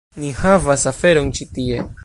Ni havas aferon ĉi tie.